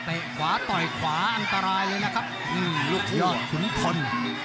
ไปขวาต่อยขวาอันตรายเลยนะครับอืมลูกหัวขุนพล